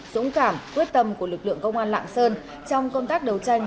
dũng cảm quyết tâm của lực lượng công an lạng sơn trong công tác đấu tranh